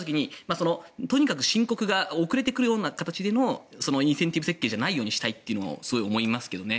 とにかく申告が遅れていくような形じゃないインセンティブ設計じゃないようにしたいとすごい思いますけどね。